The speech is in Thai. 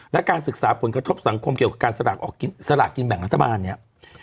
และการศึกษาผลกระทบสังคมเกี่ยวกับการสลากออกสลากกินแบ่งรัฐบาลเนี่ย